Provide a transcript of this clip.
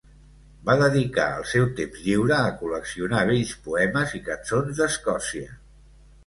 Va dedicar el seu temps lliure a col·leccionar vells poemes i cançons d"Escòcia.